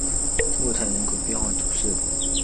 莫泰人口变化图示